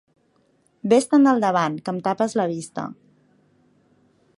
Ves-te'n del davant, que em tapes la vista.